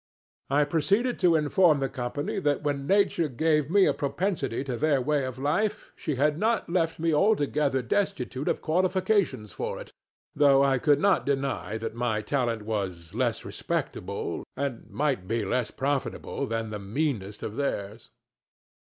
I proceeded to inform the company that when Nature gave me a propensity to their way of life she had not left me altogether destitute of qualifications for it, though I could not deny that my talent was less respectable, and might be less profitable, than the meanest of theirs.